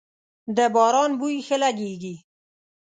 د باران بوی ښه لږیږی